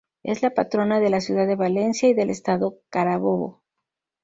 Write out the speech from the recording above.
Es la patrona de la Ciudad de Valencia y del Estado Carabobo.